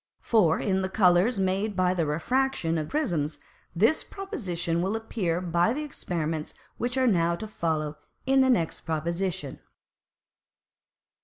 For in the Colours made by the Refraction of Prisms, this Proposition will appear by the Experiments which are now to follow in the next Proposition.